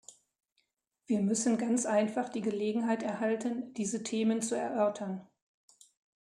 Wir müssen ganz einfach die Gelegenheit erhalten, diese Themen zu erörtern.